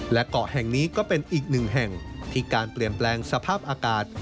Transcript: และเกาะแห่งนี้ก็เป็นอีกหนึ่งแห่งที่การเปลี่ยนแปลงสภาพอากาศ